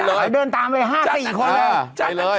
ก็เดินตามไวท์๕๔คนเลย